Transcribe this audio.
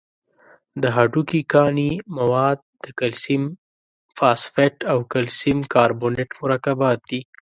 د هډوکو کاني مواد د کلسیم فاسفیټ او کلسیم کاربونیت مرکبات دي.